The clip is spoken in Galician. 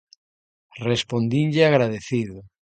Respondinlle agradecido: